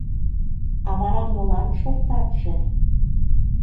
— А вара молан шортатше?